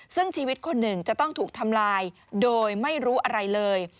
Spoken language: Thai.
ซึ่งชีวิตคนหนึ่งจะต้องถูกทำลายโดยไม่รู้อะไรเลย